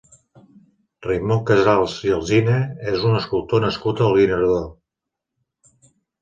Raimon Casals i Alsina és un escultor nascut al Guinardó.